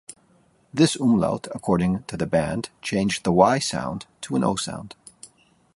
This umlaut, according to the band, "changed the 'Y' sound to an 'O' sound".